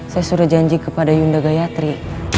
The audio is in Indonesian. saya sudah janji kepada yunda gayatri